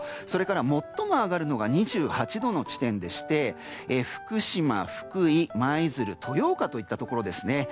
それからもっとも上がるのは２８度の地点でして福島、福井、舞鶴豊岡といったところですね。